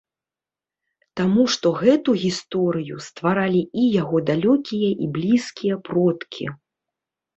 Таму што гэту гісторыю стваралі і яго далёкія і блізкія продкі.